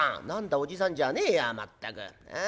「何だおじさんじゃねえやまったく。